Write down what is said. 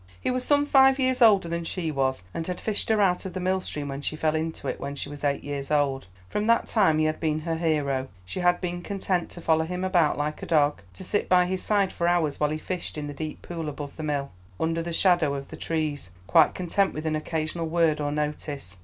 He was some five years older than she was, and had fished her out of the mill stream when she fell into it, when she was eight years old. From that time he had been her hero. She had been content to follow him about like a dog, to sit by his side for hours while he fished in the deep pool above the mill, under the shadow of the trees, quite content with an occasional word or notice.